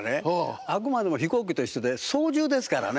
あくまでも飛行機と一緒で操縦ですからね。